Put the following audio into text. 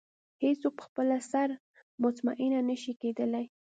هېڅ څوک په خپل سر مطمئنه نه شي کېدلی.